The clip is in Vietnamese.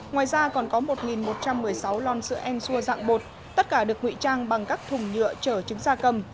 ngoài ra còn có một một trăm một mươi sáu lon sữa enxua dạng bột tất cả được nguy trang bằng các thùng nhựa trở chứng gia cầm